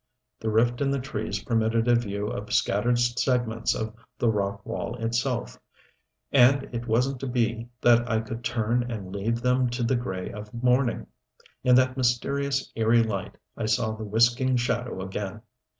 The rift in the trees permitted a view of scattered segments of the rock wall itself. And it wasn't to be that I could turn and leave them to the gray of morning. In that mysterious, eerie light I saw the whisking shadow again.